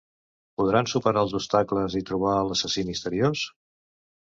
Podran superar els obstacles i trobar l'assassí misteriós?